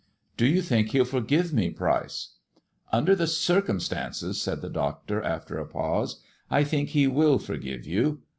" Do you think he'll forgive me, Pryce 1 " "Under the circumstances," said the doctor, after a pause, I think he will forgive you.